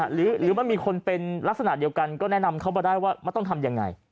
หรือมันมีคนเป็นลักษณะเดียวกันก็แนะนำเขามาได้ว่ามันต้องทำยังไง